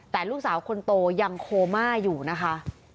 แต่ลูกสาวคนโตยังโคม่าอยู่นะคะ